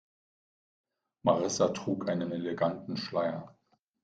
Marissa trug einen eleganten Schleier.